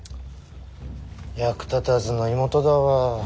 役立たずな妹だわ。